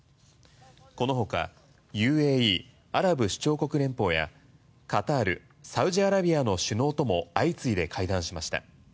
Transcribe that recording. この他ＵＡＥ・アラブ首長国連邦やカタールサウジアラビアの首脳とも相次いで会談しました。